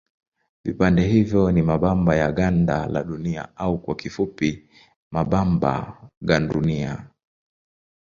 Vipande hivyo ni mabamba ya ganda la Dunia au kwa kifupi mabamba gandunia.